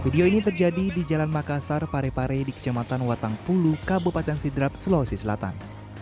video ini terjadi di jalan makassar parepare di kecamatan watangpulu kabupaten sidrap sulawesi selatan